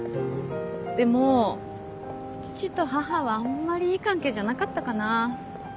でも父と母はあんまりいい関係じゃなかったかな。